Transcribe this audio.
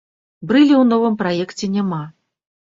Брыля ў новым праекце няма.